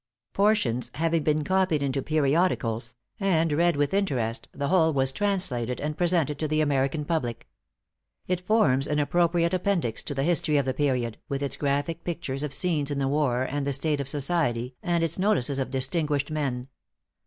Portions having been copied into periodicals, and read with interest, the whole was translated, and presented to the American public. It forms an appropriate appendix to the history of the period, with its graphic pictures of scenes in th.e war and the state of society, and its notices of distinguished men.